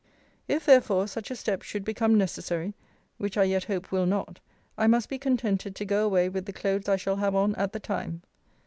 If, therefore, such a step should become necessary, (which I yet hope will not,) I must be contented to go away with the clothes I shall have on at the time.